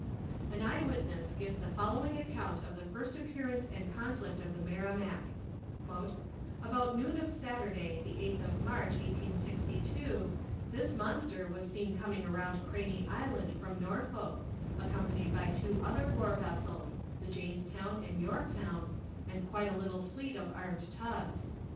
An eye witness gives the following account of the first appearance and conflict of the Merrimac: "About noon of Saturday, the eighth of March, 1862, this monster was seen coming around Craney Island from Norfolk, accompanied by two other war vessels, the Jamestown and Yorktown, and quite a little fleet of armed tugs.